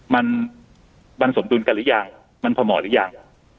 มันผลตำจุกันหรือยังมันผ่องหมดหรือยัง